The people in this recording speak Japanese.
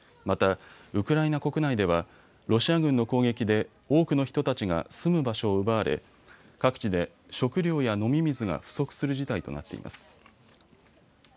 またウクライナ国内ではロシア軍の攻撃で多くの人たちが住む場所を奪われ、各地で食料や飲み水が不足する事態となっています。